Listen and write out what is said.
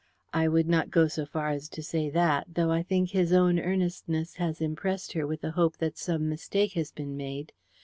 "I would not go so far as to say that, though I think his own earnestness has impressed her with the hope that some mistake has been made.